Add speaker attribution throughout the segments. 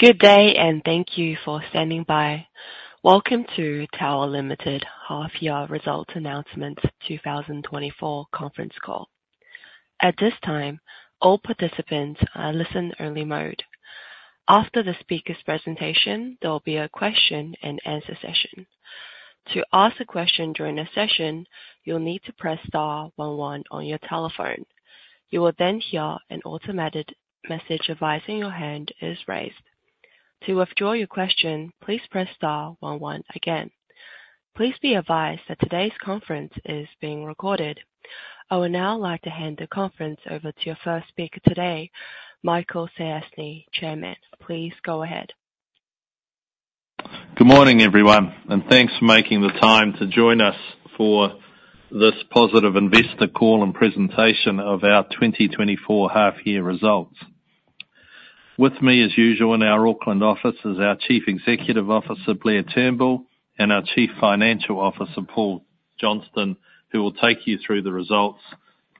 Speaker 1: Good day, and thank you for standing by. Welcome to Tower Limited Half Year Results Announcement 2024 Conference Call. At this time, all participants are in listen-only mode. After the speaker's presentation, there will be a question-and-answer session. To ask a question during the session, you'll need to press star one on your telephone. You will then hear an automated message advising your hand is raised. To withdraw your question, please press star one one again. Please be advised that today's conference is being recorded. I would now like to hand the conference over to your first speaker today, Michael Stiassny, Chairman. Please go ahead.
Speaker 2: Good morning, everyone, and thanks for making the time to join us for this positive Investor Call and Presentation of our 2024 Half Year Results. With me, as usual, in our Auckland office is our Chief Executive Officer, Blair Turnbull, and our Chief Financial Officer, Paul Johnston, who will take you through the results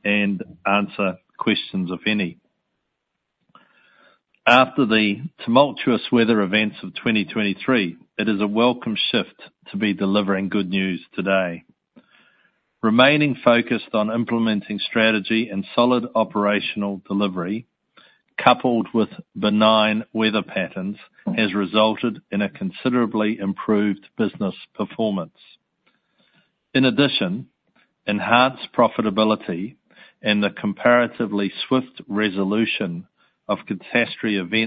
Speaker 2: and answer questions, if any. After the tumultuous weather events of 2023, it is a welcome shift to be delivering good news today. Remaining focused on implementing strategy and solid operational delivery, coupled with benign weather patterns, has resulted in a considerably improved business performance. In addition, enhanced profitability and the comparatively swift resolution of catastrophe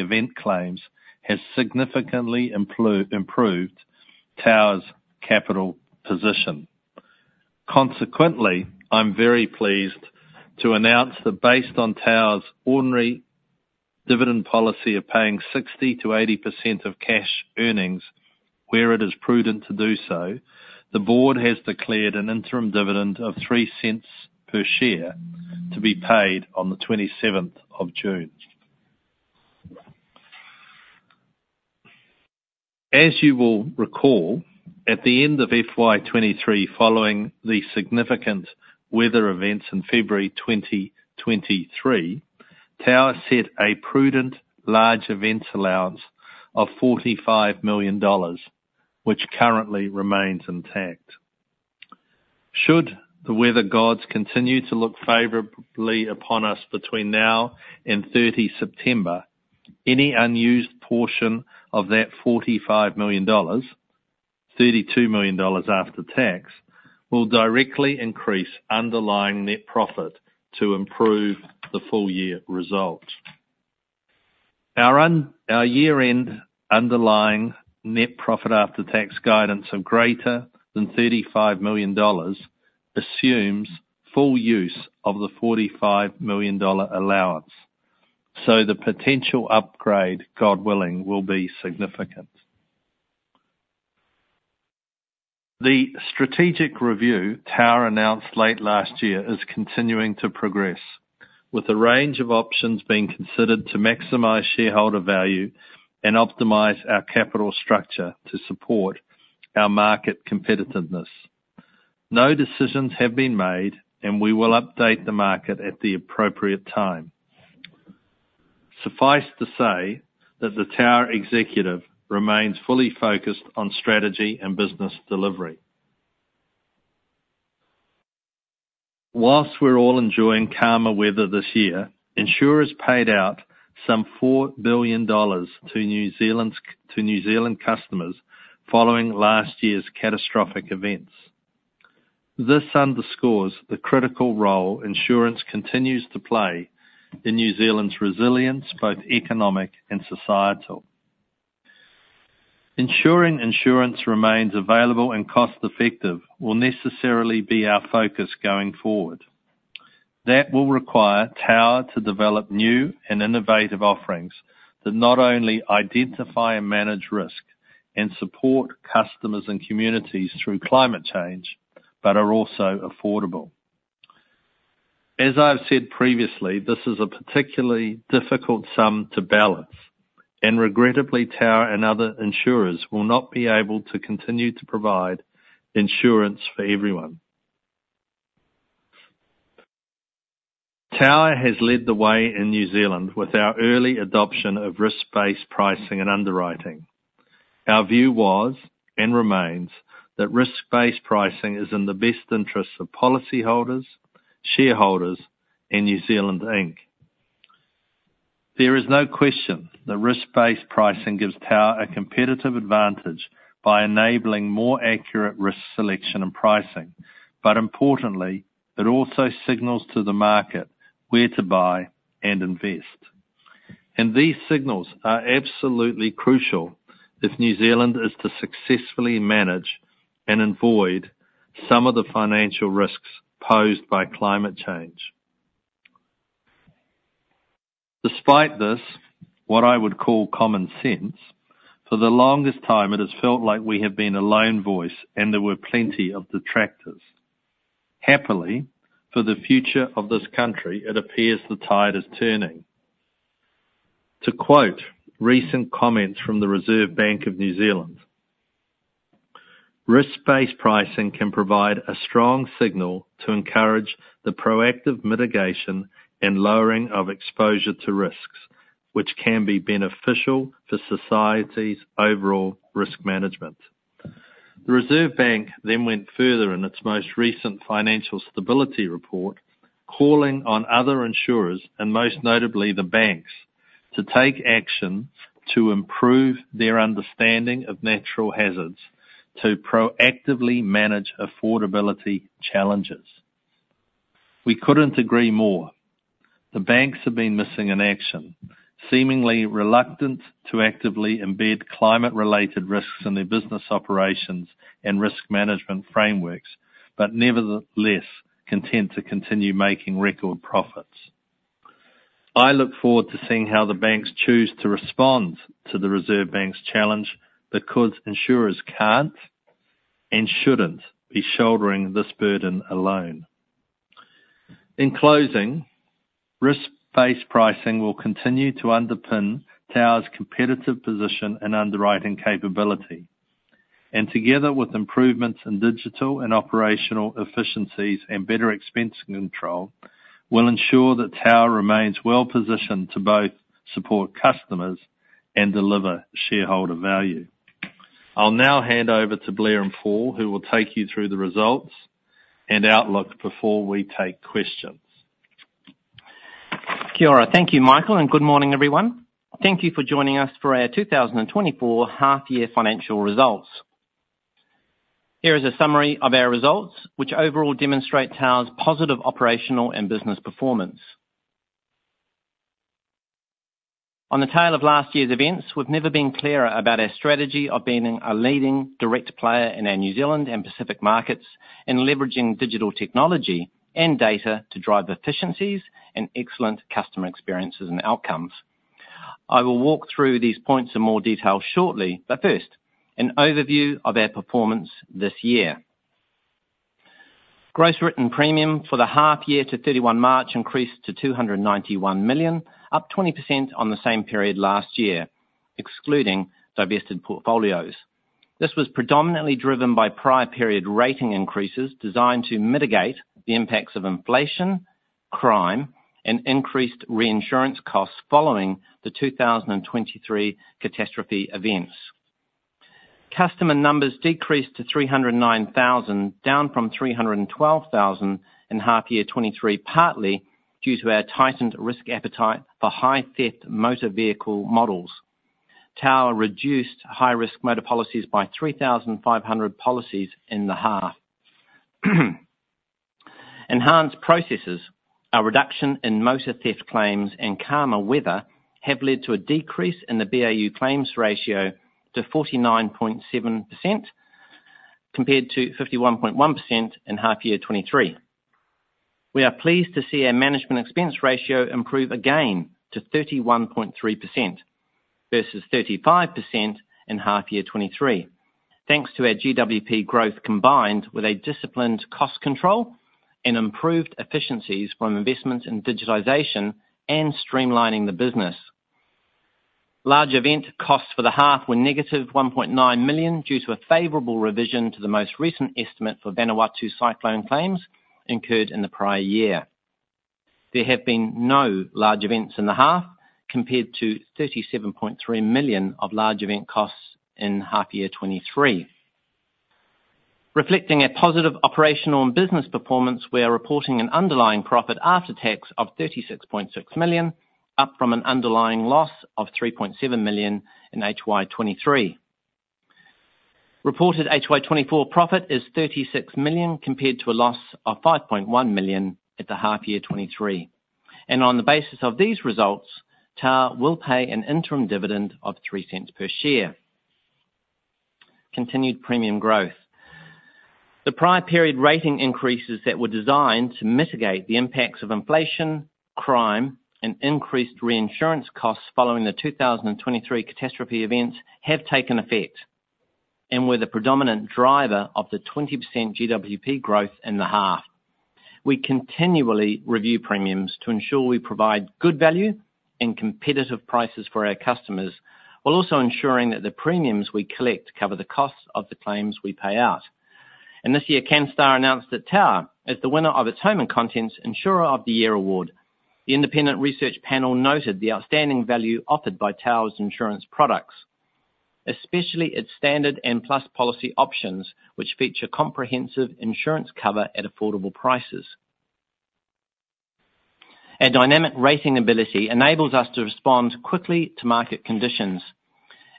Speaker 2: event claims has significantly improved Tower's capital position. Consequently, I'm very pleased to announce that based on Tower's ordinary dividend policy of paying 60%-80% of cash earnings, where it is prudent to do so, the board has declared an interim dividend of 0.03 per share to be paid on the 27th of June. As you will recall, at the end of FY 2023, following the significant weather events in February 2023, Tower set a prudent large events allowance of 45 million dollars, which currently remains intact. Should the weather gods continue to look favorably upon us between now and 30 September, any unused portion of that 45 million dollars, 32 million dollars after tax, will directly increase underlying net profit to improve the full year results. Our year-end underlying net profit after tax guidance of greater than 35 million dollars assumes full use of the 45 million dollar allowance, so the potential upgrade, God willing, will be significant. The strategic review Tower announced late last year is continuing to progress, with a range of options being considered to maximize shareholder value and optimize our capital structure to support our market competitiveness. No decisions have been made, and we will update the market at the appropriate time. Suffice to say that the Tower executive remains fully focused on strategy and business delivery. While we're all enjoying calmer weather this year, insurers paid out some 4 billion dollars to New Zealand's customers following last year's catastrophic events. This underscores the critical role insurance continues to play in New Zealand's resilience, both economic and societal. Ensuring insurance remains available and cost-effective will necessarily be our focus going forward. That will require Tower to develop new and innovative offerings that not only identify and manage risk and support customers and communities through climate change, but are also affordable. As I've said previously, this is a particularly difficult sum to balance, and regrettably, Tower and other insurers will not be able to continue to provide insurance for everyone. Tower has led the way in New Zealand with our early adoption of risk-based pricing and underwriting. Our view was, and remains, that risk-based pricing is in the best interest of policyholders, shareholders, and New Zealand Inc. There is no question that risk-based pricing gives Tower a competitive advantage by enabling more accurate risk selection and pricing. But importantly, it also signals to the market where to buy and invest. These signals are absolutely crucial if New Zealand is to successfully manage and avoid some of the financial risks posed by climate change. Despite this, what I would call common sense, for the longest time, it has felt like we have been a lone voice, and there were plenty of detractors. Happily, for the future of this country, it appears the tide is turning. To quote recent comments from the Reserve Bank of New Zealand: "Risk-based pricing can provide a strong signal to encourage the proactive mitigation and lowering of exposure to risks, which can be beneficial for society's overall risk management." The Reserve Bank then went further in its most recent financial stability report, calling on other insurers, and most notably the banks, to take action to improve their understanding of natural hazards, to proactively manage affordability challenges. We couldn't agree more. The banks have been missing in action, seemingly reluctant to actively embed climate-related risks in their business operations and risk management frameworks, but nevertheless, content to continue making record profits. I look forward to seeing how the banks choose to respond to the Reserve Bank's challenge, because insurers can't and shouldn't be shouldering this burden alone. In closing, risk-based pricing will continue to underpin Tower's competitive position and underwriting capability, and together with improvements in digital and operational efficiencies and better expense control, will ensure that Tower remains well-positioned to both support customers and deliver shareholder value. I'll now hand over to Blair and Paul, who will take you through the results and outlook before we take questions.
Speaker 3: Kia ora. Thank you, Michael, and good morning, everyone. Thank you for joining us for our 2024 Half-Year Financial Results. Here is a summary of our results, which overall demonstrate Tower's positive operational and business performance. On the tail of last year's events, we've never been clearer about our strategy of being a leading direct player in our New Zealand and Pacific markets, and leveraging digital technology and data to drive efficiencies and excellent customer experiences and outcomes. I will walk through these points in more detail shortly, but first, an overview of our performance this year. Gross written premium for the half-year to 31 March increased to 291 million, up 20% on the same period last year, excluding divested portfolios. This was predominantly driven by prior period rating increases designed to mitigate the impacts of inflation, crime, and increased reinsurance costs following the 2023 catastrophe events. Customer numbers decreased to 309,000, down from 312,000 in half year 2023, partly due to our tightened risk appetite for high-theft motor vehicle models. Tower reduced high-risk motor policies by 3,500 policies in the half. Enhanced processes, a reduction in motor theft claims, and calmer weather have led to a decrease in the BAU claims ratio to 49.7%, compared to 51.1% in half year 2023. We are pleased to see our management expense ratio improve again to 31.3% versus 35% in half year 2023. Thanks to our GWP growth, combined with a disciplined cost control and improved efficiencies from investments in digitization and streamlining the business. Large event costs for the half were -1.9 million, due to a favorable revision to the most recent estimate for Vanuatu cyclone claims incurred in the prior year. There have been no large events in the half, compared to 37.3 million of large event costs in half year 2023. Reflecting a positive operational and business performance, we are reporting an underlying profit after tax of 36.6 million, up from an underlying loss of 3.7 million in HY 2023. Reported HY 2024 profit is 36 million, compared to a loss of 5.1 million at the half year 2023. On the basis of these results, Tower will pay an interim dividend of 0.03 per share. Continued premium growth. The prior period rating increases that were designed to mitigate the impacts of inflation, crime, and increased reinsurance costs following the 2023 catastrophe events have taken effect and were the predominant driver of the 20% GWP growth in the half. We continually review premiums to ensure we provide good value and competitive prices for our customers, while also ensuring that the premiums we collect cover the costs of the claims we pay out. This year, Canstar announced that Tower is the winner of its Home and Contents Insurer of the Year award. The independent research panel noted the outstanding value offered by Tower's insurance products, especially its Standard and Plus policy options, which feature comprehensive insurance cover at affordable prices. A dynamic rating ability enables us to respond quickly to market conditions.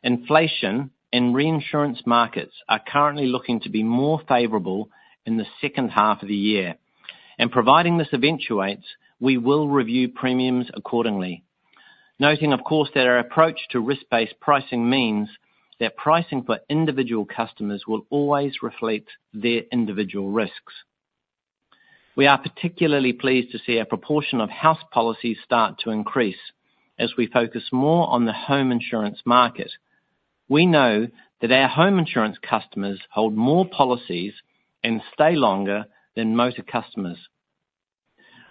Speaker 3: Inflation and reinsurance markets are currently looking to be more favorable in the second half of the year, and providing this eventuates, we will review premiums accordingly. Noting, of course, that our approach to risk-based pricing means that pricing for individual customers will always reflect their individual risks. We are particularly pleased to see our proportion of house policies start to increase as we focus more on the home insurance market. We know that our home insurance customers hold more policies and stay longer than motor customers....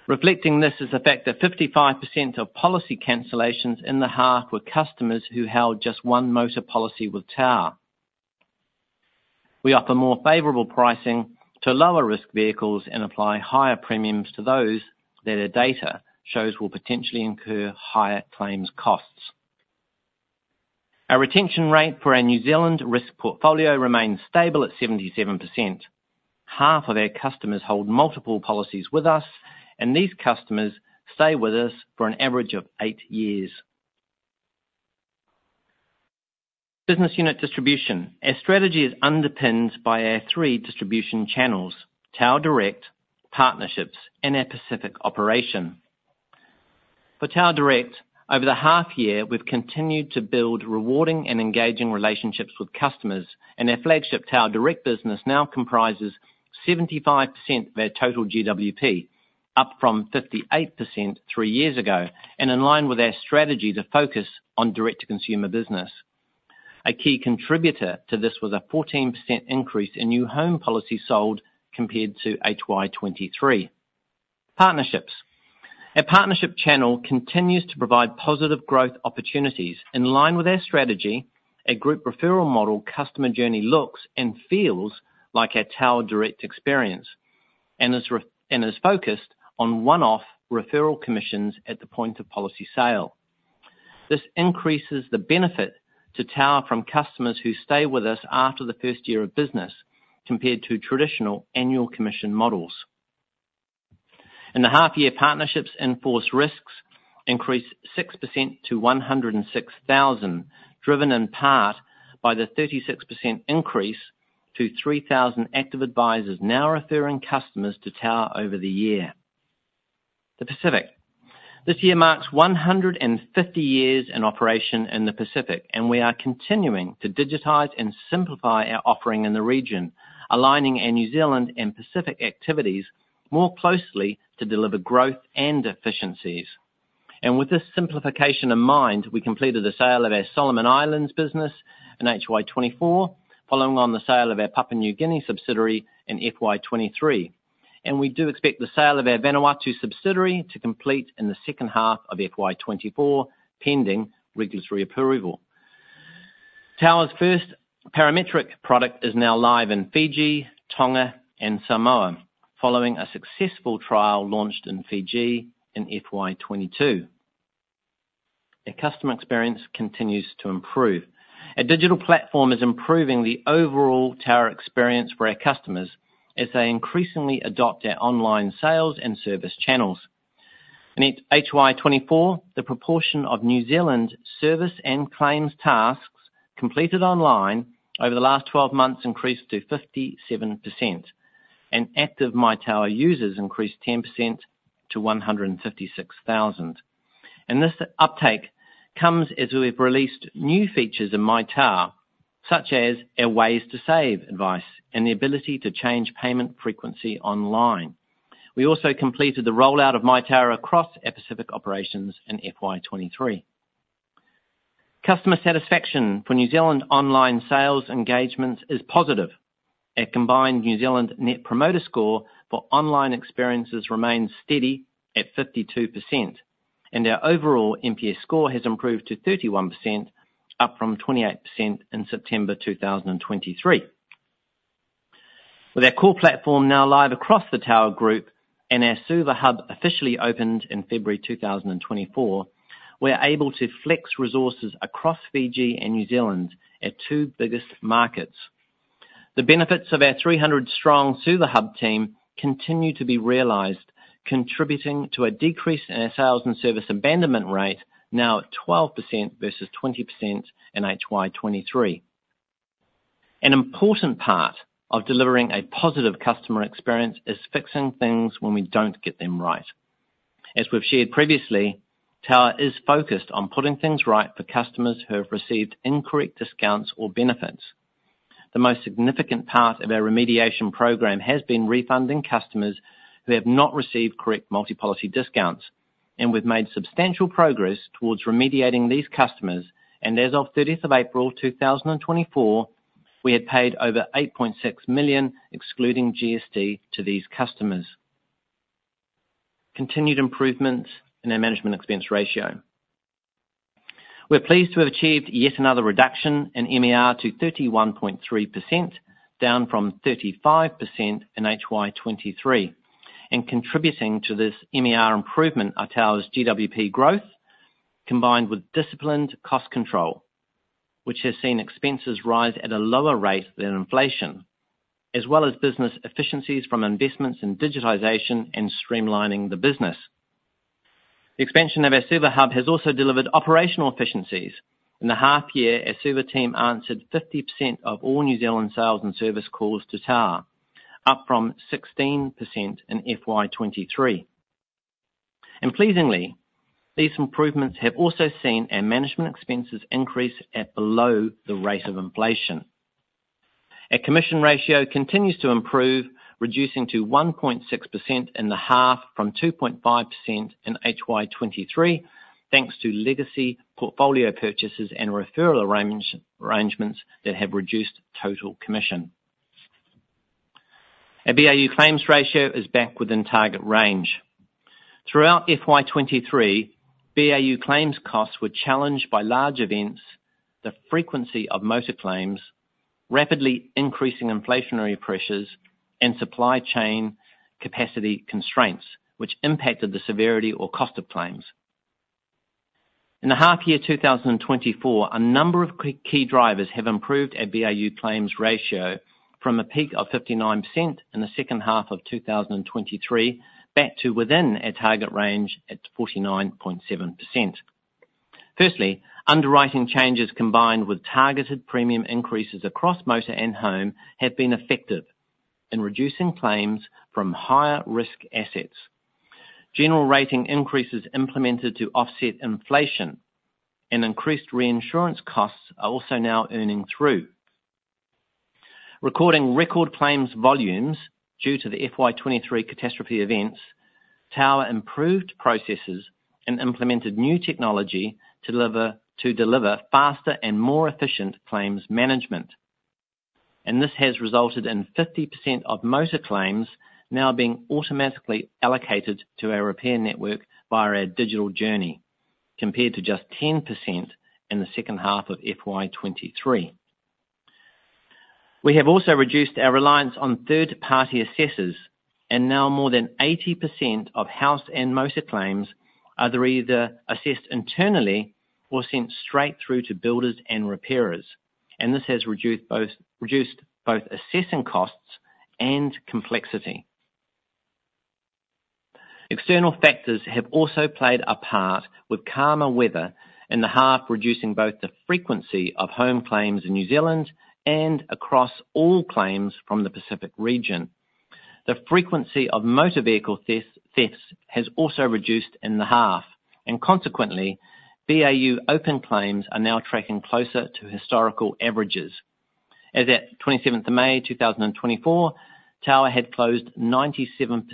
Speaker 3: Reflecting this is the fact that 55% of policy cancellations in the half were customers who held just one motor policy with Tower. We offer more favorable pricing to lower-risk vehicles and apply higher premiums to those that our data shows will potentially incur higher claims costs. Our retention rate for our New Zealand risk portfolio remains stable at 77%. Half of our customers hold multiple policies with us, and these customers stay with us for an average of eight years. Business unit distribution. Our strategy is underpinned by our three distribution channels: Tower Direct, partnerships, and our Pacific operation. For Tower Direct, over the half year, we've continued to build rewarding and engaging relationships with customers, and our flagship Tower Direct business now comprises 75% of our total GWP, up from 58% three years ago, and in line with our strategy to focus on direct-to-consumer business. A key contributor to this was a 14% increase in new home policies sold compared to HY 2023. Partnerships. Our partnership channel continues to provide positive growth opportunities. In line with our strategy, a group referral model customer journey looks and feels like our Tower Direct experience, and is re- and is focused on one-off referral commissions at the point of policy sale. This increases the benefit to Tower from customers who stay with us after the first year of business, compared to traditional annual commission models. In the half year, partnerships in-force risks increased 6% to 106,000, driven in part by the 36% increase to 3,000 active advisors now referring customers to Tower over the year. The Pacific. This year marks 150 years in operation in the Pacific, and we are continuing to digitize and simplify our offering in the region, aligning our New Zealand and Pacific activities more closely to deliver growth and efficiencies. With this simplification in mind, we completed the sale of our Solomon Islands business in HY 2024, following on the sale of our Papua New Guinea subsidiary in FY 2023. We do expect the sale of our Vanuatu subsidiary to complete in the second half of FY 2024, pending regulatory approval. Tower's first parametric product is now live in Fiji, Tonga, and Samoa, following a successful trial launched in Fiji in FY 2022. Our customer experience continues to improve. Our digital platform is improving the overall Tower experience for our customers as they increasingly adopt our online sales and service channels. In HY 2024, the proportion of New Zealand service and claims tasks completed online over the last twelve months increased to 57%, and active myTower users increased 10% to 156,000. This uptake comes as we've released new features in myTower, such as our Ways to Save advice and the ability to change payment frequency online. We also completed the rollout of myTower across our Pacific operations in FY 2023. Customer satisfaction for New Zealand online sales engagements is positive. Our combined New Zealand Net Promoter Score for online experiences remains steady at 52%, and our overall NPS score has improved to 31%, up from 28% in September 2023. With our core platform now live across the Tower Group and our Suva hub officially opened in February 2024, we're able to flex resources across Fiji and New Zealand, our two biggest markets. The benefits of our 300-strong Suva hub team continue to be realized, contributing to a decrease in our sales and service abandonment rate, now at 12% versus 20% in HY 2023. An important part of delivering a positive customer experience is fixing things when we don't get them right. As we've shared previously, Tower is focused on putting things right for customers who have received incorrect discounts or benefits. The most significant part of our remediation program has been refunding customers who have not received correct multi-policy discounts, and we've made substantial progress towards remediating these customers, and as of 30th of April 2024, we had paid over 8.6 million, excluding GST, to these customers. Continued improvements in our management expense ratio. We're pleased to have achieved yet another reduction in MER to 31.3%, down from 35% in HY 2023. And contributing to this MER improvement are Tower's GWP growth, combined with disciplined cost control, which has seen expenses rise at a lower rate than inflation, as well as business efficiencies from investments in digitization and streamlining the business. The expansion of our Suva hub has also delivered operational efficiencies. In the half year, our Suva team answered 50% of all New Zealand sales and service calls to Tower, up from 16% in FY 2023. Pleasingly, these improvements have also seen our management expenses increase at below the rate of inflation. Our commission ratio continues to improve, reducing to 1.6% in the half, from 2.5% in HY 2023, thanks to legacy portfolio purchases and referral arrangements that have reduced total commission. Our BAU claims ratio is back within target range. Throughout FY 2023, BAU claims costs were challenged by large events, the frequency of motor claims, rapidly increasing inflationary pressures, and supply chain capacity constraints, which impacted the severity or cost of claims. In the half year 2024, a number of key drivers have improved our BAU claims ratio from a peak of 59% in the second half of 2023, back to within our target range at 49.7%. Firstly, underwriting changes combined with targeted premium increases across motor and home, have been effective in reducing claims from higher risk assets. General rating increases implemented to offset inflation and increased reinsurance costs are also now earning through. Recording record claims volumes due to the FY 2023 catastrophe events, Tower improved processes and implemented new technology to deliver faster and more efficient claims management, and this has resulted in 50% of motor claims now being automatically allocated to our repair network via our digital journey, compared to just 10% in the second half of FY 2023. We have also reduced our reliance on third-party assessors, and now more than 80% of house and motor claims are either assessed internally or sent straight through to builders and repairers, and this has reduced both assessing costs and complexity. External factors have also played a part, with calmer weather in the half, reducing both the frequency of home claims in New Zealand and across all claims from the Pacific region. The frequency of motor vehicle thefts has also reduced in the half, and consequently, BAU open claims are now tracking closer to historical averages. As at 27th of May, 2024, Tower had closed 97%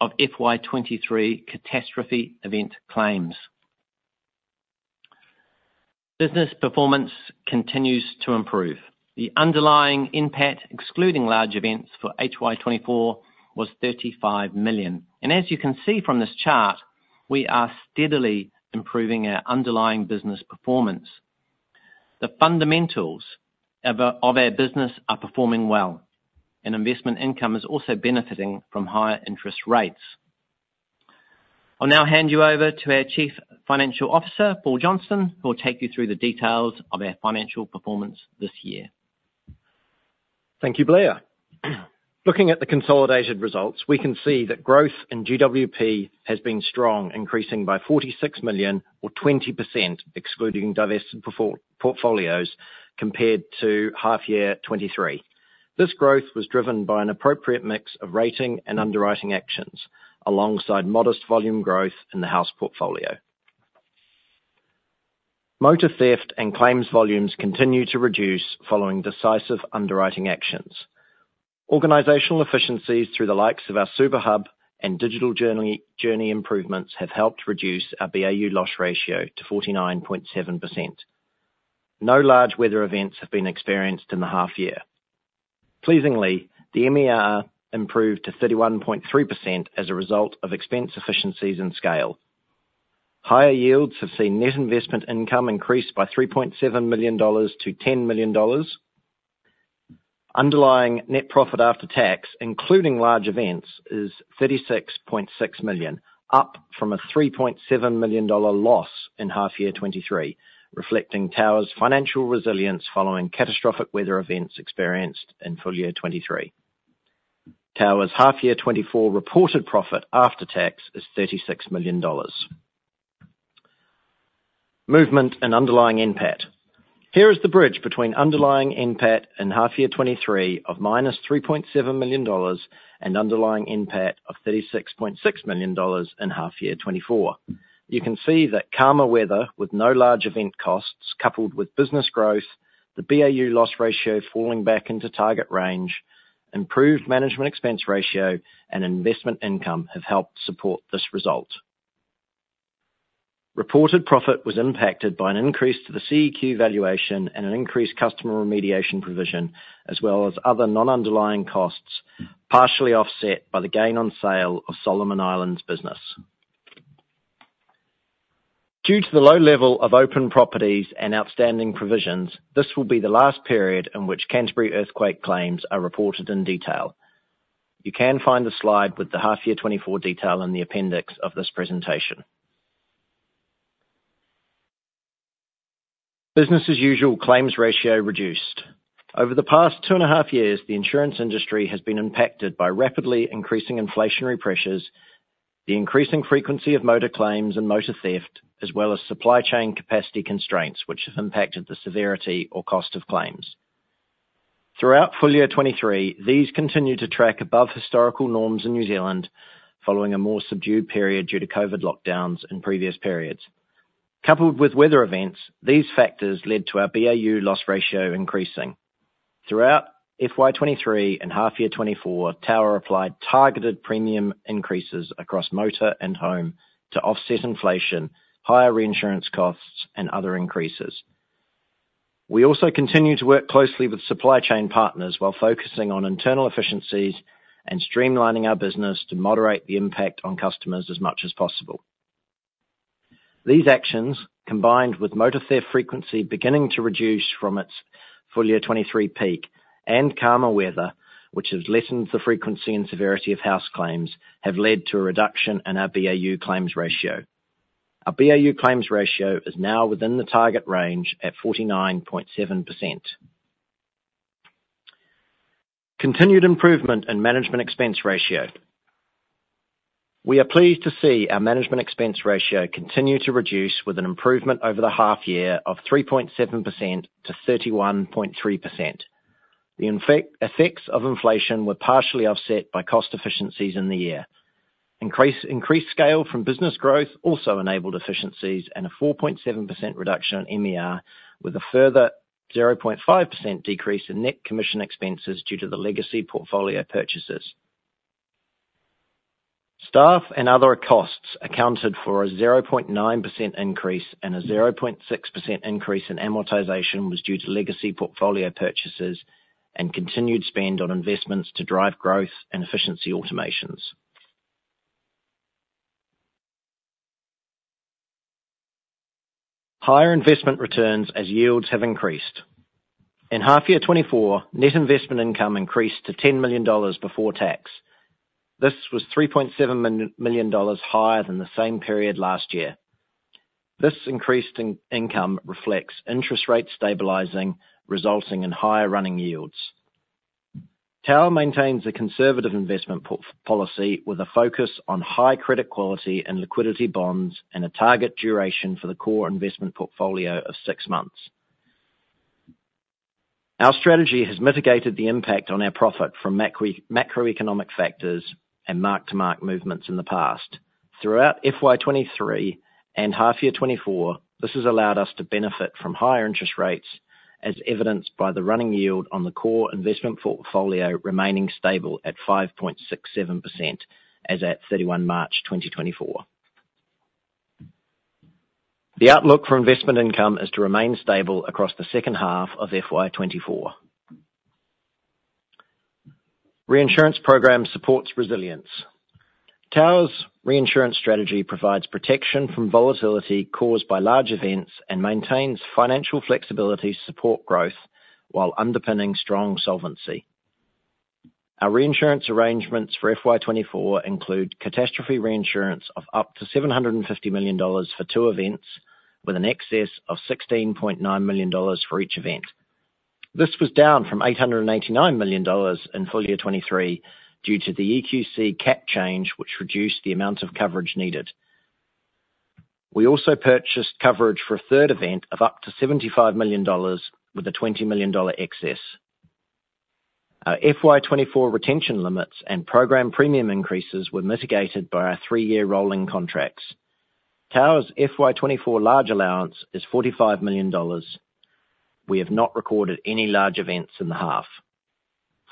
Speaker 3: of FY 2023 catastrophe event claims. Business performance continues to improve. The underlying NPAT, excluding large events for HY 2024, was 35 million. As you can see from this chart, we are steadily improving our underlying business performance. The fundamentals of our business are performing well, and investment income is also benefiting from higher interest rates. I'll now hand you over to our Chief Financial Officer, Paul Johnston, who will take you through the details of our financial performance this year.
Speaker 4: Thank you, Blair. Looking at the consolidated results, we can see that growth in GWP has been strong, increasing by 46 million or 20%, excluding divested portfolios, compared to half year 2023. This growth was driven by an appropriate mix of rating and underwriting actions, alongside modest volume growth in the house portfolio. Motor theft and claims volumes continue to reduce following decisive underwriting actions. Organizational efficiencies through the likes of our Suva Hub and digital journey improvements have helped reduce our BAU loss ratio to 49.7%. No large weather events have been experienced in the half year. Pleasingly, the MER improved to 31.3% as a result of expense efficiencies and scale. Higher yields have seen net investment income increase by 3.7 million dollars to 10 million dollars. Underlying net profit after tax, including large events, is 36.6 million, up from a 3.7 million dollar loss in half year 2023, reflecting Tower's financial resilience following catastrophic weather events experienced in full year 2023. Tower's half year 2024 reported profit after tax is 36 million dollars. Movement and underlying NPAT. Here is the bridge between underlying NPAT in half year 2023 of minus 3.7 million dollars and underlying NPAT of 36.6 million dollars in half year 2024. You can see that calmer weather with no large event costs, coupled with business growth, the BAU loss ratio falling back into target range, improved management expense ratio, and investment income have helped support this result. Reported profit was impacted by an increase to the CEQ valuation and an increased customer remediation provision, as well as other non-underlying costs, partially offset by the gain on sale of Solomon Islands business. Due to the low level of open properties and outstanding provisions, this will be the last period in which Canterbury earthquake claims are reported in detail. You can find the slide with the half-year 2024 detail in the appendix of this presentation. Business as usual claims ratio reduced. Over the past two and a half years, the insurance industry has been impacted by rapidly increasing inflationary pressures, the increasing frequency of motor claims and motor theft, as well as supply chain capacity constraints, which have impacted the severity or cost of claims. Throughout full year 2023, these continued to track above historical norms in New Zealand, following a more subdued period due to COVID lockdowns in previous periods. Coupled with weather events, these factors led to our BAU loss ratio increasing. Throughout FY 2023 and half year 2024, Tower applied targeted premium increases across motor and home to offset inflation, higher reinsurance costs, and other increases. We also continue to work closely with supply chain partners while focusing on internal efficiencies and streamlining our business to moderate the impact on customers as much as possible. These actions, combined with motor theft frequency beginning to reduce from its full year 2023 peak, and calmer weather, which has lessened the frequency and severity of house claims, have led to a reduction in our BAU claims ratio. Our BAU claims ratio is now within the target range at 49.7%. Continued improvement in management expense ratio. We are pleased to see our management expense ratio continue to reduce, with an improvement over the half year of 3.7% to 31.3%. The effects of inflation were partially offset by cost efficiencies in the year. Increased scale from business growth also enabled efficiencies and a 4.7% reduction in MER, with a further 0.5% decrease in net commission expenses due to the legacy portfolio purchases. Staff and other costs accounted for a 0.9% increase, and a 0.6% increase in amortization was due to legacy portfolio purchases and continued spend on investments to drive growth and efficiency automations. Higher investment returns as yields have increased. In half year 2024, net investment income increased to 10 million dollars before tax. This was 3.7 million dollars higher than the same period last year. This increased income reflects interest rates stabilizing, resulting in higher running yields. Tower maintains a conservative investment policy, with a focus on high credit quality and liquidity bonds, and a target duration for the core investment portfolio of six months. Our strategy has mitigated the impact on our profit from macroeconomic factors and mark-to-market movements in the past. Throughout FY 2023 and half year 2024, this has allowed us to benefit from higher interest rates, as evidenced by the running yield on the core investment portfolio remaining stable at 5.67% as at 31 March 2024. The outlook for investment income is to remain stable across the second half of FY 2024. Reinsurance program supports resilience. Tower's reinsurance strategy provides protection from volatility caused by large events, and maintains financial flexibility to support growth while underpinning strong solvency. Our reinsurance arrangements for FY 2024 include catastrophe reinsurance of up to 750 million dollars for two events, with an excess of 16.9 million dollars for each event. This was down from 889 million dollars in full year 2023 due to the EQC cap change, which reduced the amount of coverage needed. We also purchased coverage for a third event of up to 75 million dollars, with a 20 million dollar excess. Our FY 2024 retention limits and program premium increases were mitigated by our three-year rolling contracts. Tower's FY 2024 large allowance is 45 million dollars. We have not recorded any large events in the half.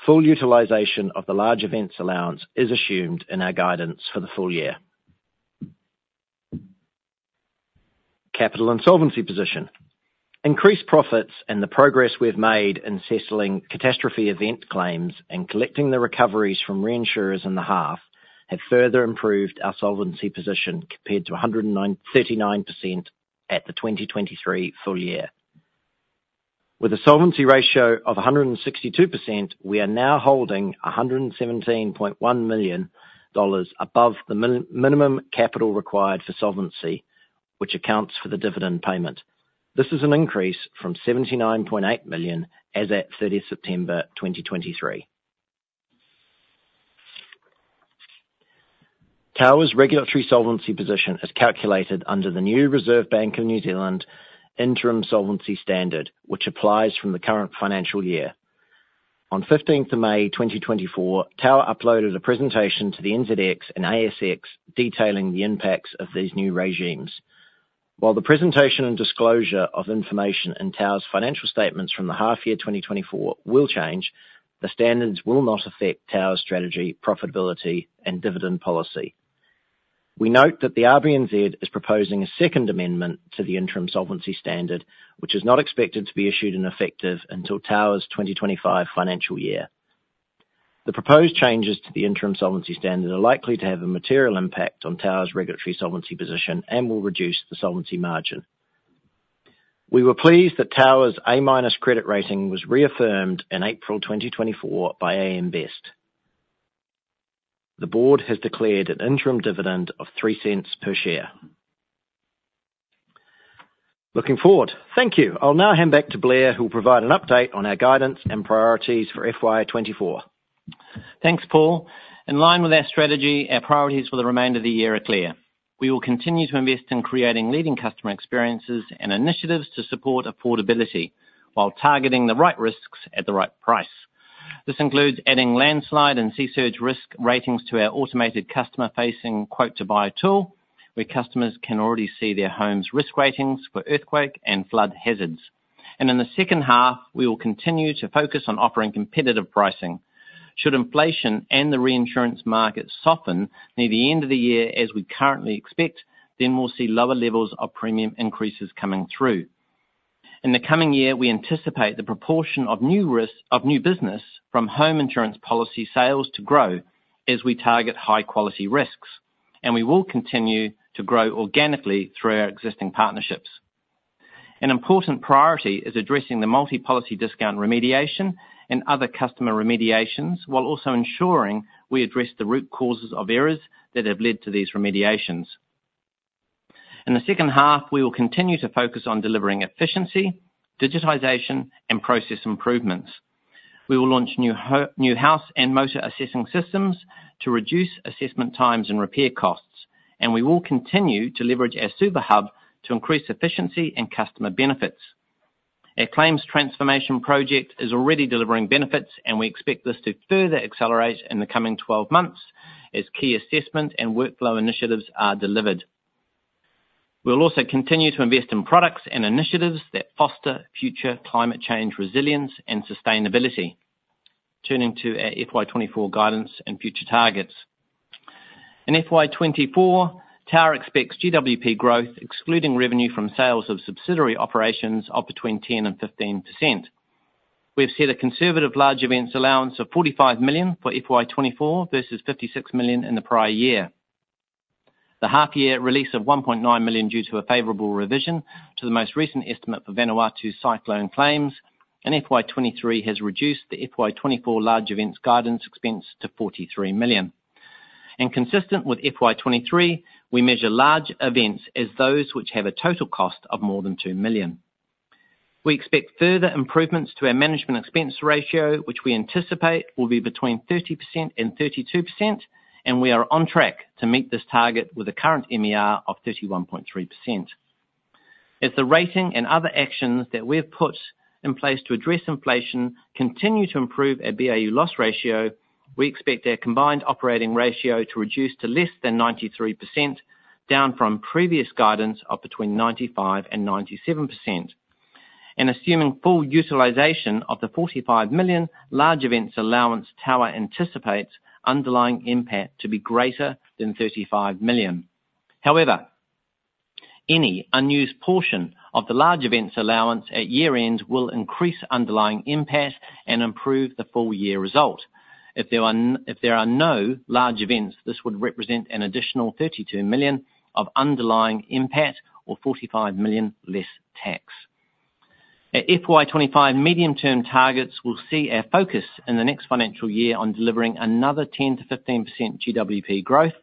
Speaker 4: Full utilization of the large events allowance is assumed in our guidance for the full year. Capital and solvency position. Increased profits and the progress we've made in settling catastrophe event claims and collecting the recoveries from reinsurers in the half, have further improved our solvency position compared to 109.39% at the 2023 full year. With a solvency ratio of 162%, we are now holding 117.1 million dollars above the minimum capital required for solvency, which accounts for the dividend payment. This is an increase from 79.8 million as at 30 September 2023. Tower's regulatory solvency position is calculated under the new Reserve Bank of New Zealand Interim Solvency Standard, which applies from the current financial year. On the fifteenth of May, 2024, Tower uploaded a presentation to the NZX and ASX, detailing the impacts of these new regimes. While the presentation and disclosure of information in Tower's financial statements from the half year 2024 will change, the standards will not affect Tower's strategy, profitability, and dividend policy. We note that the RBNZ is proposing a second amendment to the Interim Solvency Standard, which is not expected to be issued and effective until Tower's 2025 financial year. The proposed changes to the Interim Solvency Standard are likely to have a material impact on Tower's regulatory solvency position and will reduce the solvency margin. We were pleased that Tower's A-minus credit rating was reaffirmed in April 2024 by AM Best. The board has declared an interim dividend of 0.03 per share. Looking forward. Thank you. I'll now hand back to Blair, who will provide an update on our guidance and priorities for FY 2024.
Speaker 3: Thanks, Paul. In line with our strategy, our priorities for the remainder of the year are clear. We will continue to invest in creating leading customer experiences and initiatives to support affordability, while targeting the right risks at the right price. This includes adding landslide and sea surge risk ratings to our automated customer-facing quote-to-buy tool, where customers can already see their home's risk ratings for earthquake and flood hazards. In the second half, we will continue to focus on offering competitive pricing. Should inflation and the reinsurance market soften near the end of the year, as we currently expect, then we'll see lower levels of premium increases coming through. In the coming year, we anticipate the proportion of new business from home insurance policy sales to grow as we target high quality risks, and we will continue to grow organically through our existing partnerships. An important priority is addressing the multi-policy discount remediation and other customer remediations, while also ensuring we address the root causes of errors that have led to these remediations. In the second half, we will continue to focus on delivering efficiency, digitization, and process improvements. We will launch new house and motor assessing systems to reduce assessment times and repair costs, and we will continue to leverage our Suva hub to increase efficiency and customer benefits. Our claims transformation project is already delivering benefits, and we expect this to further accelerate in the coming 12 months as key assessment and workflow initiatives are delivered. We'll also continue to invest in products and initiatives that foster future climate change, resilience, and sustainability. Turning to our FY 2024 guidance and future targets. In FY 2024, Tower expects GWP growth, excluding revenue from sales of subsidiary operations, of between 10% and 15%. We've set a conservative large events allowance of 45 million for FY 2024 versus 56 million in the prior year. The half year release of 1.9 million due to a favorable revision to the most recent estimate for Vanuatu cyclone claims in FY 2023, has reduced the FY 2024 large events guidance expense to 43 million. And consistent with FY 2023, we measure large events as those which have a total cost of more than 2 million. We expect further improvements to our management expense ratio, which we anticipate will be between 30% and 32%, and we are on track to meet this target with a current MER of 31.3%. As the rating and other actions that we have put in place to address inflation continue to improve our BAU loss ratio, we expect our combined operating ratio to reduce to less than 93%, down from previous guidance of between 95% and 97%. Assuming full utilization of the 45 million large events allowance, Tower anticipates underlying NPAT to be greater than 35 million. However, any unused portion of the large events allowance at year-end will increase underlying NPAT and improve the full year result. If there are no large events, this would represent an additional 32 million of underlying NPAT or 45 million less tax. At FY 2025, medium-term targets will see our focus in the next financial year on delivering another 10%-15% GWP growth,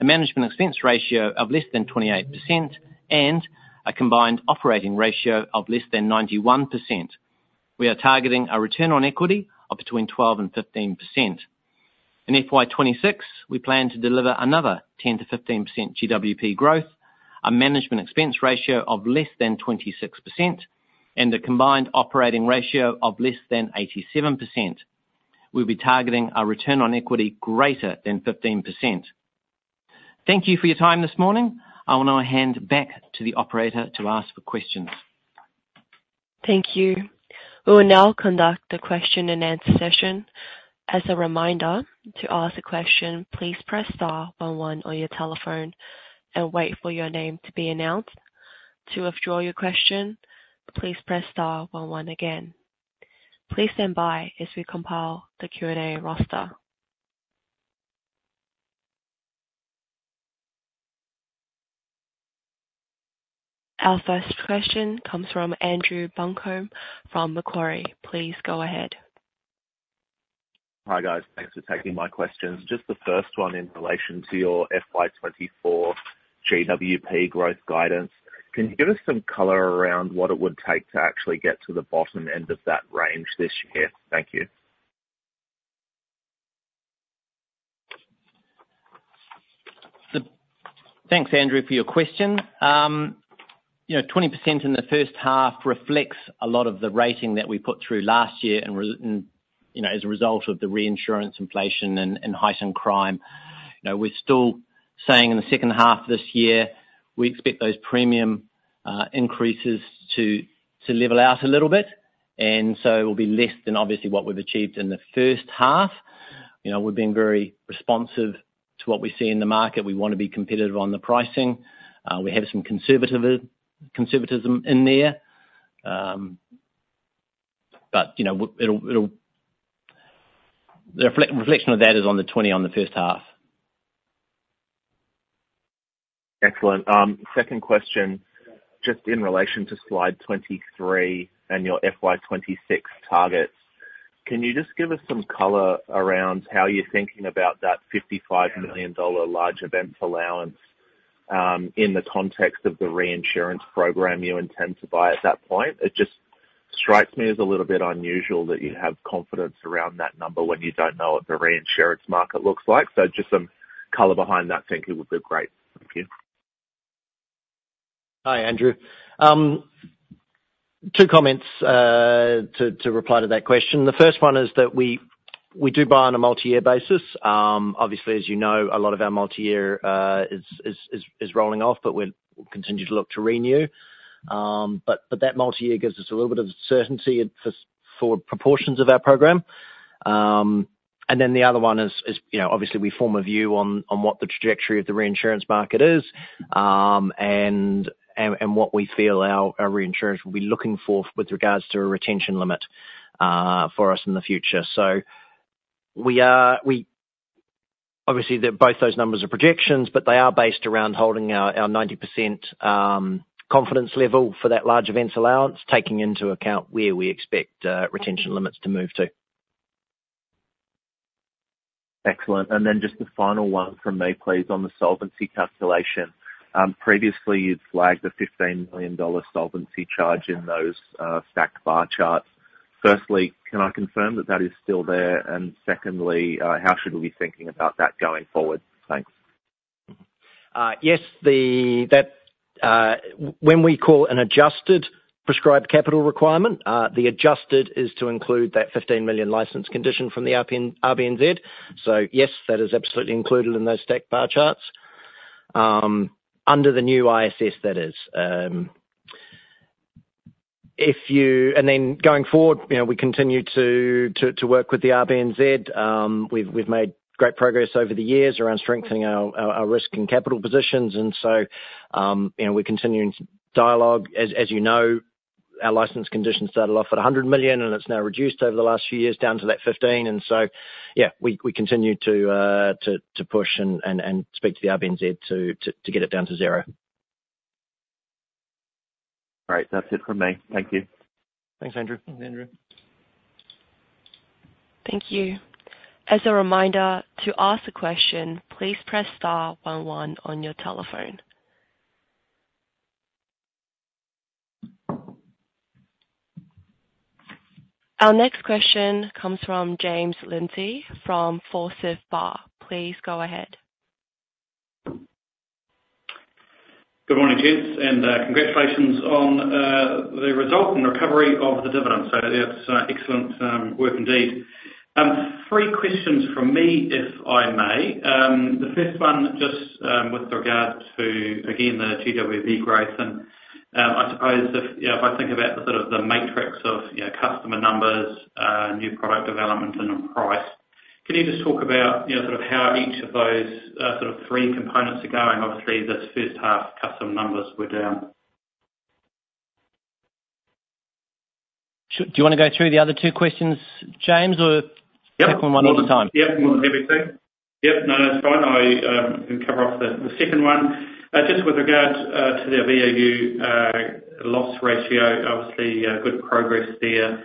Speaker 3: a management expense ratio of less than 28%, and a combined operating ratio of less than 91%. We are targeting a return on equity of between 12% and 15%. In FY 2026, we plan to deliver another 10%-15% GWP growth, a management expense ratio of less than 26%, and a combined operating ratio of less than 87%. We'll be targeting a return on equity greater than 15%. Thank you for your time this morning. I will now hand back to the operator to ask for questions.
Speaker 1: Thank you. We will now conduct a question-and-answer session. As a reminder, to ask a question, please press star one one on your telephone and wait for your name to be announced. To withdraw your question, please press star one one again. Please stand by as we compile the Q&A roster. Our first question comes from Andrew Buncombe from Macquarie. Please go ahead.
Speaker 5: Hi, guys. Thanks for taking my questions. Just the first one in relation to your FY 2024 GWP growth guidance, can you give us some color around what it would take to actually get to the bottom end of that range this year? Thank you.
Speaker 3: Thanks, Andrew, for your question. You know, 20% in the first half reflects a lot of the rating that we put through last year, and, you know, as a result of the reinsurance inflation and heightened crime. You know, we're still saying in the second half of this year, we expect those premium increases to level out a little bit, and so it will be less than obviously what we've achieved in the first half. You know, we've been very responsive to what we see in the market. We want to be competitive on the pricing. We have some conservative conservatism in there, but, you know, it'll, it'll. The reflection of that is on the 20 on the first half.
Speaker 5: Excellent. Second question, just in relation to slide 23 and your FY 2026 targets, can you just give us some color around how you're thinking about that 55 million dollar large events allowance, in the context of the reinsurance program you intend to buy at that point? It just strikes me as a little bit unusual that you'd have confidence around that number when you don't know what the reinsurance market looks like. So just some color behind that thinking would be great. Thank you.
Speaker 3: Hi, Andrew. Two comments to reply to that question. The first one is that we do buy on a multi-year basis. Obviously, as you know, a lot of our multi-year is rolling off, but we'll continue to look to renew. But that multi-year gives us a little bit of certainty for proportions of our program. And then the other one is, you know, obviously we form a view on what the trajectory of the reinsurance market is, and what we feel our reinsurers will be looking for with regards to a retention limit for us in the future. We are obviously, both those numbers are projections, but they are based around holding our 90% confidence level for that large events allowance, taking into account where we expect retention limits to move to.
Speaker 5: Excellent. And then just the final one from me, please, on the solvency calculation. Previously, you'd flagged a 15 million dollar solvency charge in those stacked bar charts. Firstly, can I confirm that that is still there? And secondly, how should we be thinking about that going forward? Thanks.
Speaker 3: Yes, when we call an adjusted prescribed capital requirement, the adjusted is to include that 15 million license condition from the RBNZ. So yes, that is absolutely included in those stacked bar charts under the new ISS, that is. And then going forward, you know, we continue to work with the RBNZ. We've made great progress over the years around strengthening our risk and capital positions, and so, you know, we're continuing dialogue. As you know, our license conditions started off at 100 million, and it's now reduced over the last few years down to that 15. And so, yeah, we continue to push and speak to the RBNZ to get it down to zero.
Speaker 5: Great. That's it from me. Thank you.
Speaker 3: Thanks, Andrew.
Speaker 4: Thanks, Andrew.
Speaker 1: Thank you. As a reminder, to ask a question, please press star one one on your telephone. Our next question comes from James Lindsay from Forsyth Barr. Please go ahead.
Speaker 6: Good morning, gents, and congratulations on the result and recovery of the dividend. So that's excellent work indeed. Three questions from me, if I may. The first one, just with regards to, again, the GWP growth. And, I suppose if, you know, if I think about the sort of the matrix of, you know, customer numbers, new product development, and on price, can you just talk about, you know, sort of how each of those sort of three components are going? Obviously, this first half, customer numbers were down.
Speaker 3: Do you wanna go through the other two questions, James, or-
Speaker 6: Yep...
Speaker 3: tackle one at a time?
Speaker 6: Yep. More than happy to. Yep. No, that's fine. I can cover off the second one. Just with regard to the BAU loss ratio, obviously, good progress there.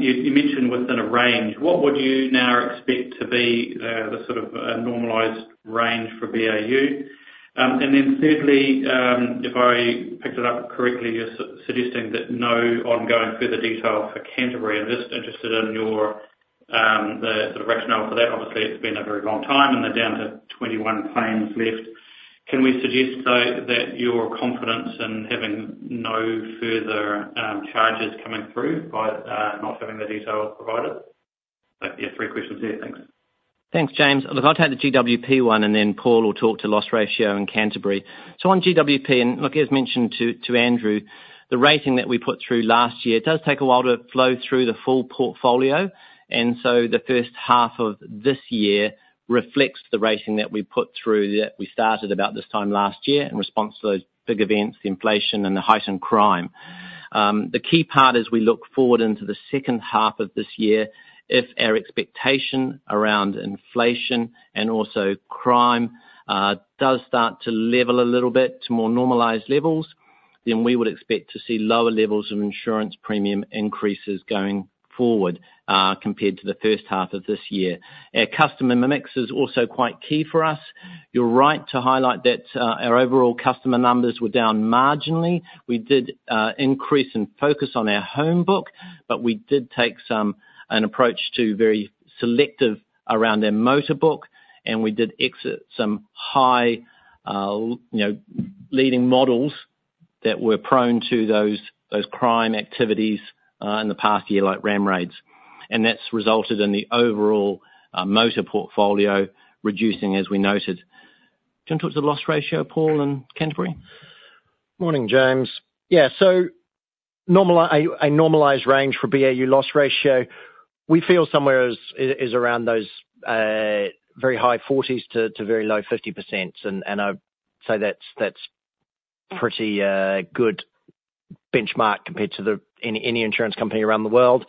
Speaker 6: You mentioned within a range. What would you now expect to be the sort of normalized range for BAU? And then thirdly, if I picked it up correctly, you're suggesting that no ongoing further detail for Canterbury. I'm just interested in your the sort of rationale for that. Obviously, it's been a very long time, and they're down to 21 claims left. Can we suggest, though, that your confidence in having no further charges coming through by not having the detail provided? But, yeah, three questions there. Thanks.
Speaker 3: Thanks, James. Look, I'll take the GWP one, and then Paul will talk to loss ratio and Canterbury. So on GWP, and look, as mentioned to Andrew, the rating that we put through last year does take a while to flow through the full portfolio, and so the first half of this year reflects the rating that we put through, that we started about this time last year, in response to those big events, the inflation and the heightened crime. The key part is we look forward into the second half of this year. If our expectation around inflation and also crime does start to level a little bit to more normalized levels, then we would expect to see lower levels of insurance premium increases going forward, compared to the first half of this year. Our customer mix is also quite key for us. You're right to highlight that, our overall customer numbers were down marginally. We did increase and focus on our home book, but we did take an approach to very selective around our motor book, and we did exit some high, you know, leading models that were prone to those, those crime activities, in the past year, like ram raids. And that's resulted in the overall motor portfolio reducing, as we noted. Do you want to talk to the loss ratio, Paul, and Canterbury?
Speaker 4: Morning, James. Yeah, so a normalized range for BAU loss ratio, we feel somewhere is around those very high 40s to very low 50%. And I'd say that's pretty good benchmark compared to any insurance company around the world.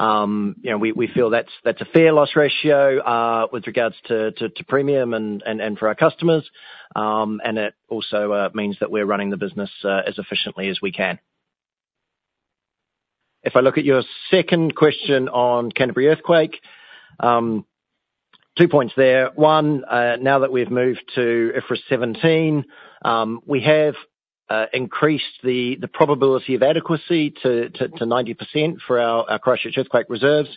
Speaker 4: You know, we feel that's a fair loss ratio with regards to premium and for our customers. And it also means that we're running the business as efficiently as we can. If I look at your second question on Canterbury earthquake, two points there. One, now that we've moved to IFRS 17, we have increased the probability of adequacy to 90% for our Christchurch earthquake reserves.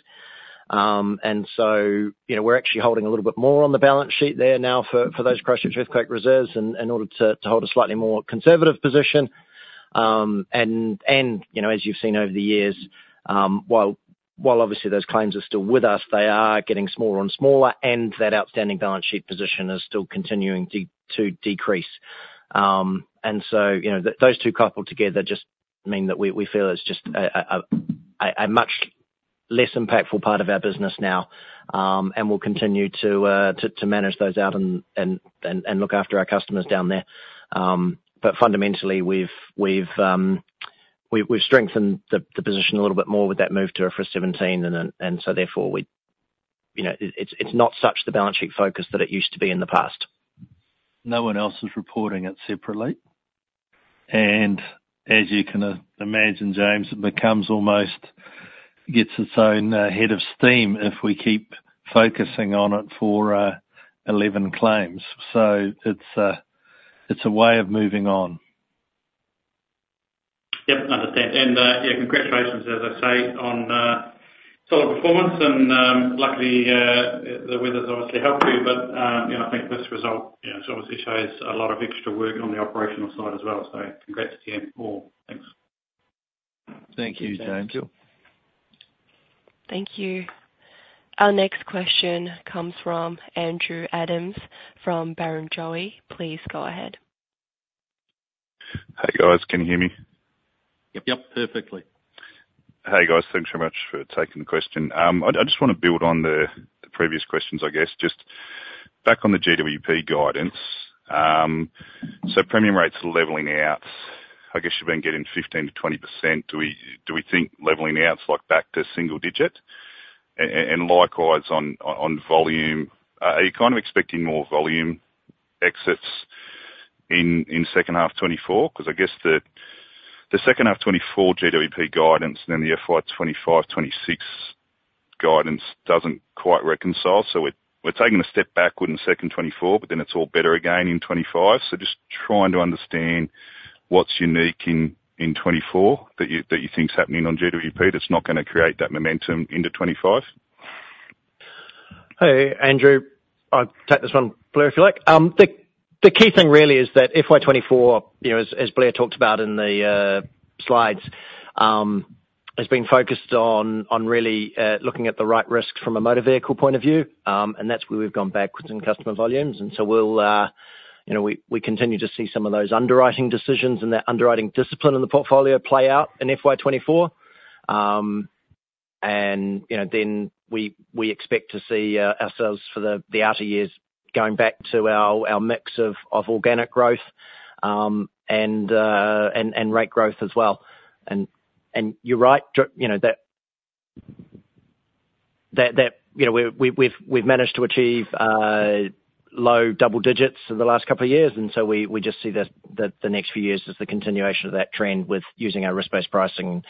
Speaker 4: And so, you know, we're actually holding a little bit more on the balance sheet there now for those Christchurch earthquake reserves in order to hold a slightly more conservative position. And, you know, as you've seen over the years, while obviously those claims are still with us, they are getting smaller and smaller, and that outstanding balance sheet position is still continuing to decrease. And so, you know, those two coupled together just mean that we feel it's just a much less impactful part of our business now. And we'll continue to manage those out and look after our customers down there. But fundamentally, we've strengthened the position a little bit more with that move to IFRS 17, and so therefore we—you know, it's not such the balance sheet focus that it used to be in the past.
Speaker 2: No one else is reporting it separately. And as you can imagine, James, it becomes almost gets its own head of steam if we keep focusing on it for 11 claims. So it's a way of moving on.
Speaker 6: Yep, understand. And, yeah, congratulations, as I say, on solid performance and, luckily, the weather's obviously helped you. But, you know, I think this result, you know, obviously shows a lot of extra work on the operational side as well. So congrats to you all. Thanks.
Speaker 2: Thank you, James.
Speaker 1: Thank you. Our next question comes from Andrew Adams from Barrenjoey. Please go ahead.
Speaker 7: Hey, guys. Can you hear me?
Speaker 3: Yep, yep, perfectly.
Speaker 7: Hey, guys. Thanks very much for taking the question. I just wanna build on the previous questions, I guess, just back on the GWP guidance. So premium rates are leveling out. I guess you've been getting 15%-20%. Do we think leveling out is, like, back to single digit? And likewise, on volume, are you kind of expecting more volume exits in second half 2024? Because I guess the second half 2024 GWP guidance, and then the FY 2025, 2026 guidance doesn't quite reconcile. So we're taking a step backward in second half 2024, but then it's all better again in 2025. So just trying to understand what's unique in 2024, that you think is happening on GWP, that's not gonna create that momentum into 2025.
Speaker 4: Hey, Andrew, I'll take this one, Blair, if you like. The key thing really is that FY24, you know, as Blair talked about in the slides, has been focused on really looking at the right risks from a motor vehicle point of view. And that's where we've gone backwards in customer volumes. And so we'll, you know, we continue to see some of those underwriting decisions and that underwriting discipline in the portfolio play out in FY24. And, you know, then we expect to see ourselves for the outer years, going back to our mix of organic growth, and rate growth as well. And you're right, you know, that, you know, we've managed to achieve low double digits for the last couple of years, and so we just see the next few years as the continuation of that trend with using our risk-based pricing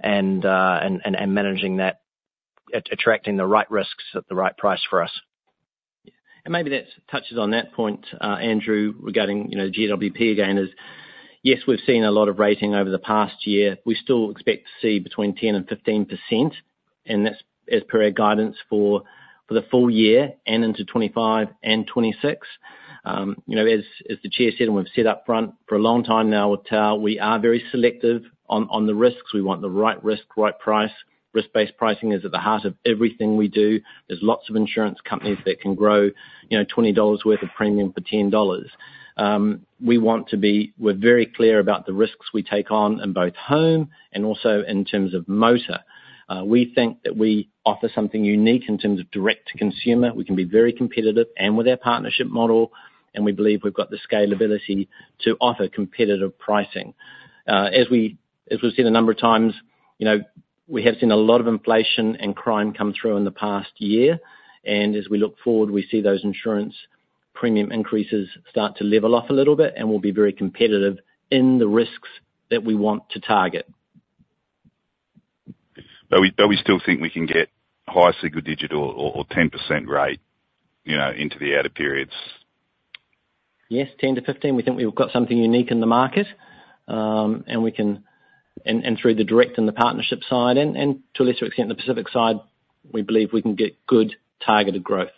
Speaker 4: and managing that, attracting the right risks at the right price for us. Maybe that touches on that point, Andrew, regarding, you know, GWP again, is, yes, we've seen a lot of rating over the past year. We still expect to see between 10%-15%, and that's as per our guidance for the full year and into 2025 and 2026. You know, as the chair said, and we've said up front, for a long time now with Tower, we are very selective on the risks. We want the right risk, right price. Risk-based pricing is at the heart of everything we do. There's lots of insurance companies that can grow, you know, 20 dollars worth of premium for 10 dollars. We want to be-- we're very clear about the risks we take on in both home and also in terms of motor. We think that we offer something unique in terms of direct to consumer. We can be very competitive and with our partnership model, and we believe we've got the scalability to offer competitive pricing. As we've seen a number of times, you know, we have seen a lot of inflation and crime come through in the past year, and as we look forward, we see those insurance premium increases start to level off a little bit, and we'll be very competitive in the risks that we want to target.
Speaker 7: But we still think we can get high single digit or 10% rate, you know, into the outer periods?
Speaker 4: Yes, 10-15. We think we've got something unique in the market, and we can... And, and through the direct and the partnership side and, and to a lesser extent, the Pacific side, we believe we can get good targeted growth.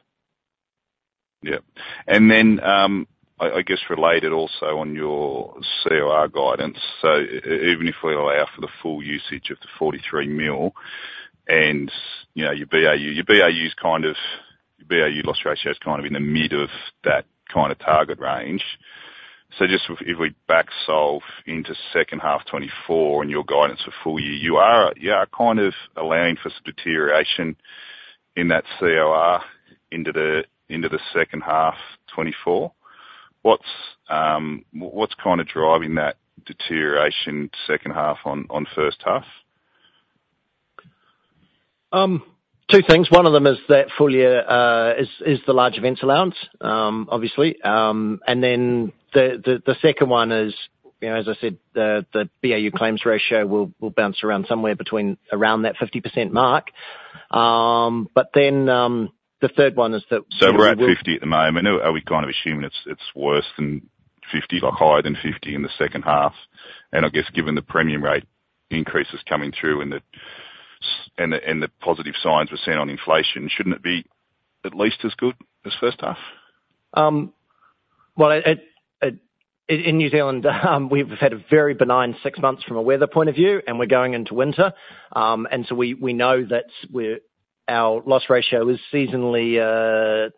Speaker 7: Yep. And then, I guess related also on your COR guidance, so even if we allow for the full usage of the 43 million, and, you know, your BAU, your BAU is kind of—BAU loss ratio is kind of in the mid of that kind of target range. So just if we backsolve into second half 2024 and your guidance for full year, you are kind of allowing for some deterioration in that COR into the second half 2024. What's kind of driving that deterioration second half on first half?
Speaker 3: Two things. One of them is that full year is the large events allowance, obviously. And then the second one is, you know, as I said, the BAU claims ratio will bounce around somewhere between around that 50% mark. But then, the third one is that-
Speaker 7: So we're at 50 at the moment. Are we kind of assuming it's worse than 50, like higher than 50 in the second half? And I guess, given the premium rate increases coming through and the positive signs we're seeing on inflation, shouldn't it be at least as good as first half?
Speaker 3: Well, in New Zealand, we've had a very benign six months from a weather point of view, and we're going into winter. And so we know our loss ratio seasonally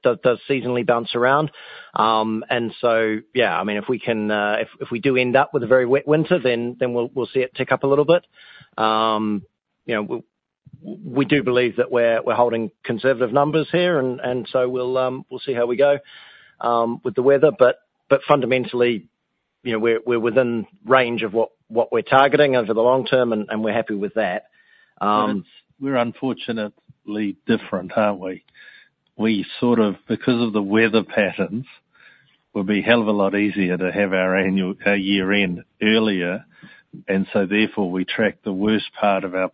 Speaker 3: does bounce around. And so, yeah, I mean, if we do end up with a very wet winter, then we'll see it tick up a little bit. You know, we do believe that we're holding conservative numbers here, and so we'll see how we go with the weather. But fundamentally, you know, we're within range of what we're targeting over the long term, and we're happy with that.
Speaker 2: We're unfortunately different, aren't we? We sort of, because of the weather patterns, would be a hell of a lot easier to have our annual year end earlier, and so therefore, we track the worst part of our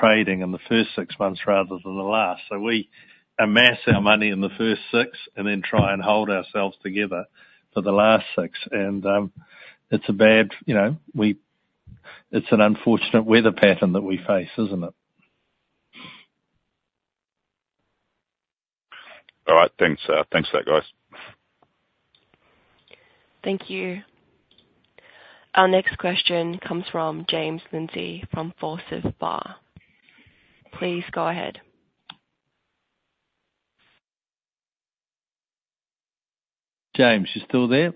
Speaker 2: trading in the first six months rather than the last. So we amass our money in the first six, and then try and hold ourselves together for the last six, and you know, it's an unfortunate weather pattern that we face, isn't it?
Speaker 7: All right. Thanks, thanks for that, guys.
Speaker 1: Thank you. Our next question comes from James Lindsay from Forsyth Barr. Please go ahead.
Speaker 2: James, you still there?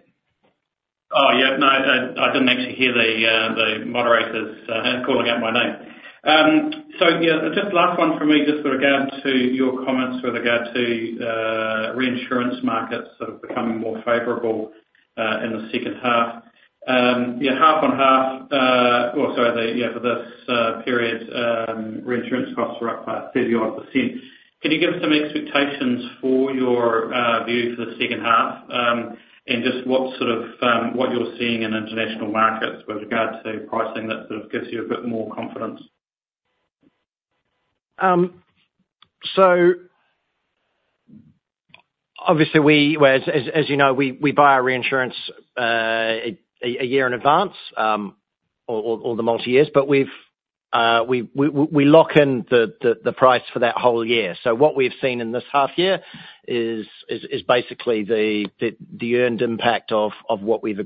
Speaker 6: Oh, yeah. No, I, I didn't actually hear the moderators calling out my name. So yeah, just last one from me, just with regard to your comments with regard to reinsurance markets sort of becoming more favorable in the second half. Yeah, half-on-half, or sorry, yeah, for this period, reinsurance costs are up by 30% -odd. Can you give us some expectations for your view for the second half? And just what sort of what you're seeing in international markets with regard to pricing that sort of gives you a bit more confidence?
Speaker 4: So obviously we, as you know, we buy our reinsurance a year in advance or the multi-years. But we've we lock in the price for that whole year. So what we've seen in this half year is basically the earned impact of what we've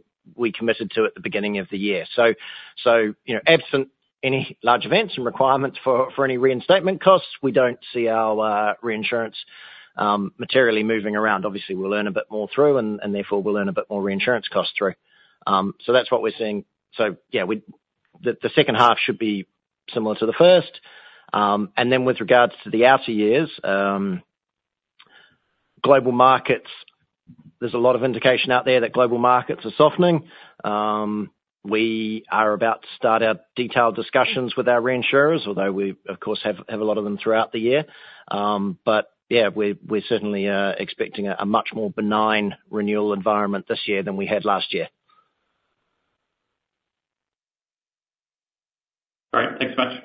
Speaker 4: committed to at the beginning of the year. So, you know, absent any large events and requirements for any reinstatement costs, we don't see our reinsurance materially moving around. Obviously, we'll earn a bit more through, and therefore, we'll earn a bit more reinsurance costs through. So that's what we're seeing. So yeah, the second half should be similar to the first. And then with regards to the outer years, global markets, there's a lot of indication out there that global markets are softening. We are about to start our detailed discussions with our reinsurers, although we, of course, have a lot of them throughout the year. But yeah, we're certainly expecting a much more benign renewal environment this year than we had last year.
Speaker 6: Great. Thanks much.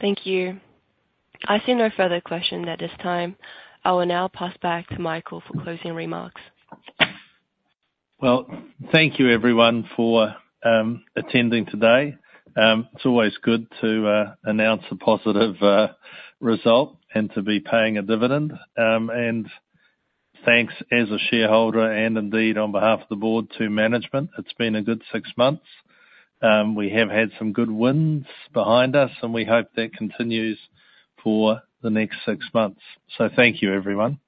Speaker 1: Thank you. I see no further questions at this time. I will now pass back to Michael for closing remarks.
Speaker 2: Well, thank you, everyone, for attending today. It's always good to announce a positive result, and to be paying a dividend. And thanks as a shareholder, and indeed, on behalf of the board to management. It's been a good six months. We have had some good wins behind us, and we hope that continues for the next six months. So thank you, everyone.